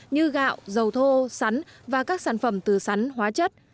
như gạo dầu thô sắn và các sản phẩm từ sắn hóa chất